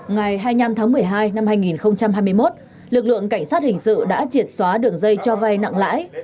ngày hai mươi năm tháng một mươi hai năm hai nghìn hai mươi một lực lượng cảnh sát hình sự đã triệt xóa đường dây cho vay nặng lãi